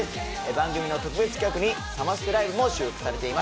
番組の特別企画にサマステライブも収録されています。